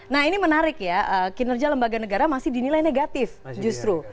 nah ini menarik ya kinerja lembaga negara masih dinilai negatif justru